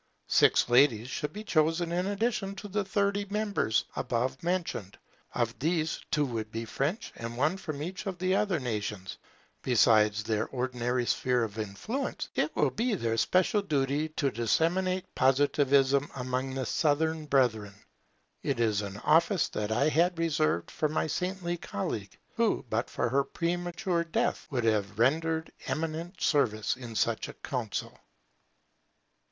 Six ladies should be chosen in addition to the thirty members above mentioned: of these, two would be French, and one from each of the other nations. Besides their ordinary sphere of influence, it will be their special duty to disseminate Positivism among our Southern brethren. It is an office that I had reserved for my saintly colleague, who, but for her premature death, would have rendered eminent service in such a Council.